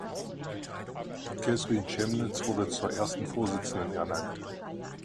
Kathrine Chemnitz wurde zur ersten Vorsitzenden ernannt.